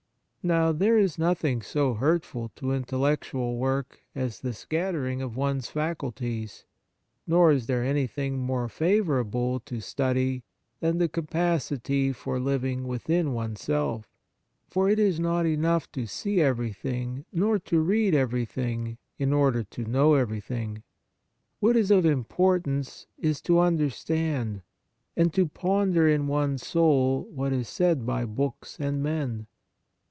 Now, there is nothing so hurtful to intellectual work as the scattering of one's faculties ; nor is there anything more favourable to study than the capacity for living within oneself. For it is not enough to see everything, nor to read every thing, in order to know everything. What is of importance is to under stand, and to ponder in one's soul what is said by books and men.